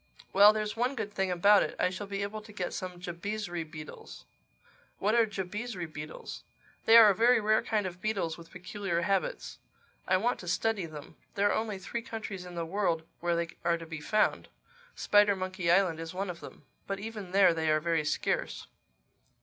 —Well, there's one good thing about it: I shall be able to get some Jabizri beetles." "What are Jabizri beetles?" "They are a very rare kind of beetles with peculiar habits. I want to study them. There are only three countries in the world where they are to be found. Spidermonkey Island is one of them. But even there they are very scarce."